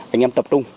anh em tập trung